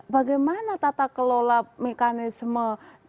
bagaimana tata kelola mekanisme